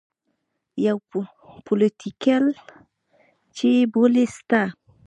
يو پوليټيکل چې يې بولي سته.